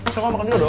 sama makan dulu dong